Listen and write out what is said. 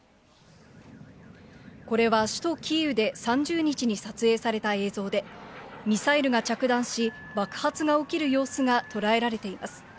これは、首都キーウで３０日に撮影された映像で、ミサイルが着弾し、爆発が起きる様子が捉えられています。